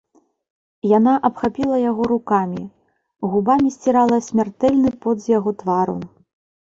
Яна абхапіла яго рукамі, губамі сцірала смяртэльны пот з яго твару.